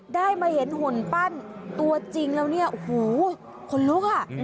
ได้มาเห็นหุ่นปั้นตัวจริงแล้วเนี่ยโอ้โหคนลุกอ่ะ